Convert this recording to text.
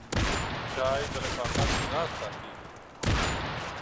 چای د رفاقت راز ساتي.